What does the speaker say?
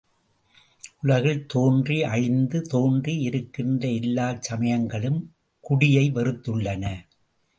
உலகில் தோன்றி அழிந்த, தோன்றி இருக்கின்ற எல்லாச் சமயங்களும் குடியை வெறுத்துள்ளன.